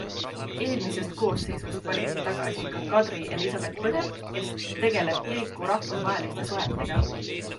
Eelmisest koosseisust valiti tagasi ka Kadri Eliisabet Põder, kes tegeleb kiriku rahvusvaheliste suhetega.